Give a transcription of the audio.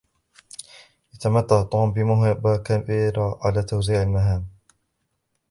يتمتع توم بموهبة كبيرة على توزيع المهام.